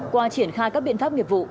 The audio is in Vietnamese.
qua triển khai các biện pháp nghiệp vụ